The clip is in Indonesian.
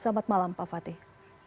selamat malam pak fatih